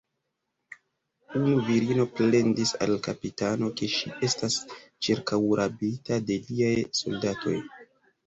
Unu virino plendis al kapitano, ke ŝi estas ĉirkaŭrabita de liaj soldatoj.